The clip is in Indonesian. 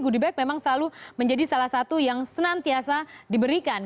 goodie bag memang selalu menjadi salah satu yang senantiasa diberikan